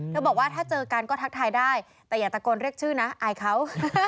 บอกว่าถ้าเจอกันก็ทักทายได้แต่อย่าตะโกนเรียกชื่อนะอายเขา